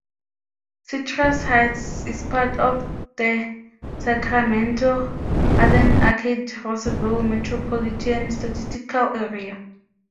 Citrus Heights is part of the Sacramento-Arden-Arcade-Roseville Metropolitan Statistical Area.